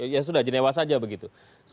ya sudah jenewa saja begitu